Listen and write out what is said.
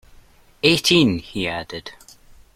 Eighteen, he added.